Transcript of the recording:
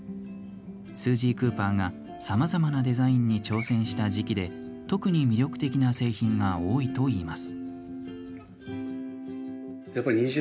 スージー・クーパーがさまざまなデザインに挑戦した時期で、特に魅力的な製品が多いといいます。